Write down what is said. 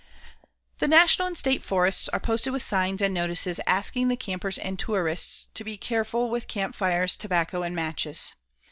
The National and State Forests are posted with signs and notices asking the campers and tourists to be careful with campfires, tobacco and matches.